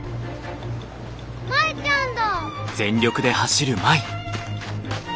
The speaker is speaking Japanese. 舞ちゃんだ！